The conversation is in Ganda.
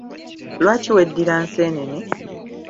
Lwaki weddira nseenene?